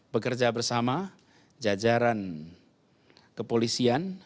bekerja bersama jajaran kepolisian